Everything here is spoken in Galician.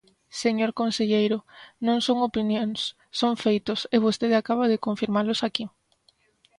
Señor conselleiro, non son opinións, son feitos, e vostede acaba de confirmalos aquí.